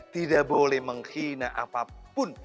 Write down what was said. tidak boleh menghina apapun